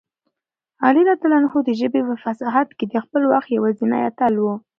علي رض د ژبې په فصاحت کې د خپل وخت یوازینی اتل و.